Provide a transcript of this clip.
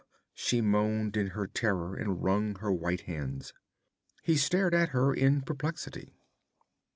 She moaned in her terror and wrung her white hands. He stared at her in perplexity.